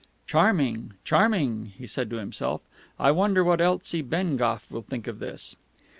"Charming, charming!" he said to himself. "I wonder what Elsie Bengough will think of this!"